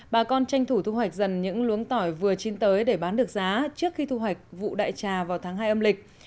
bà con tranh thủ thu hoạch dần những luống tỏi vừa chín tới để bán được giá trước khi thu hoạch vụ đại trà vào tháng hai âm lịch